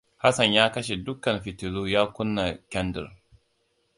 Hassan ya kashe dukkan fitilu ya kunna kyandir.